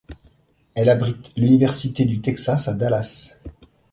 Elle abrite l'université du Texas à Dallas.